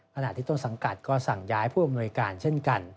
ขณะที่ต้นสังกัดก็สั่งย้ายผู้อำนวยการเช่นกัน